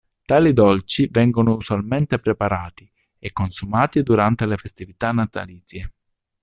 Tali dolci vengono usualmente preparati e consumati durante le festività natalizie.